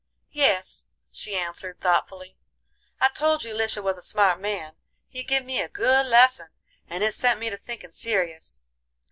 "Yes," she answered, thoughtfully, "I told you Lisha was a smart man; he give me a good lesson, and it set me to thinkin' serious.